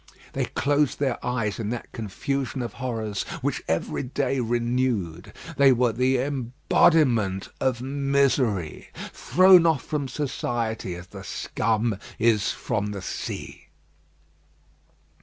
They closed their eyes in that confusion of horrors which every day renewed. They were the embodiment of misery, thrown off from society, as the scum is from the sea.